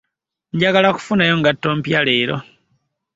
Njagala kufunayo ngatto mpya leero.